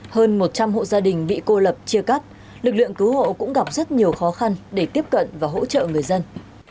hơn một trăm linh hộ gia đình bị cô lập chia cắt lực lượng cứu hộ cũng gặp rất nhiều khó khăn để tiếp cận và hỗ trợ người dân